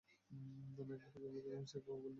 মেঘনা উপজেলার দক্ষিণাংশে গোবিন্দপুর ইউনিয়নের অবস্থান।